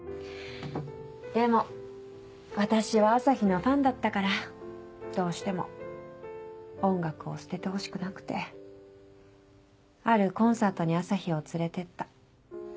でも私は朝陽のファンだったからどうしても音楽を捨ててほしくなくてあるコンサートに朝陽を連れてった。